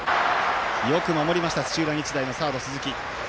よく守りました土浦日大のサードの鈴木。